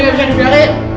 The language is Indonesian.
sekarang sekarang sekarang